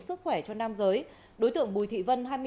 sức khỏe cho nam giới đối tượng bùi thị vân